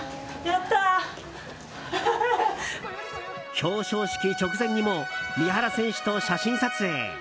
表彰式直前にも三原選手と写真撮影。